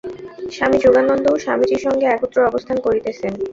স্বামী যোগানন্দও স্বামীজীর সঙ্গে একত্র অবস্থান করিতেছেন।